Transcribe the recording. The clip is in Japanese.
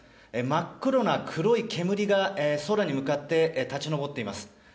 真っ黒な黒い煙が空に向かって立ち上っています。